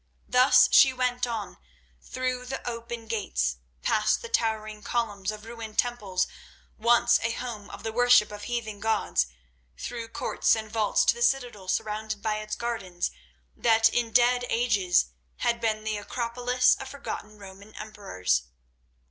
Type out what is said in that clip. Thus she went on, through the open gates, past the towering columns of ruined temples once a home of the worship of heathen gods, through courts and vaults to the citadel surrounded by its gardens that in dead ages had been the Acropolis of forgotten Roman emperors.